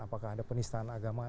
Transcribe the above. apakah ada penistaan agama